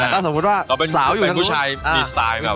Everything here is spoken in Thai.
แต่สมมติจะเป็นสาวแบบเย็น